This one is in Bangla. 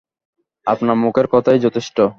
আপনার মুখের কথাই যথেষ্ট।